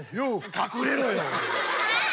隠れろよ！